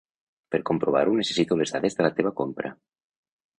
Per comprovar-ho necessito les dades la teva compra.